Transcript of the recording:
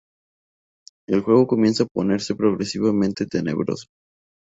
El juego comienza a ponerse progresivamente tenebroso.